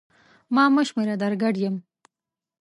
ما مه شمېره در ګډ یم!